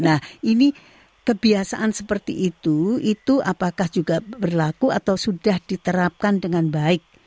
nah ini kebiasaan seperti itu itu apakah juga berlaku atau sudah diterapkan dengan baik